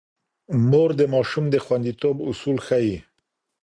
مور د ماشوم د خونديتوب اصول ښيي.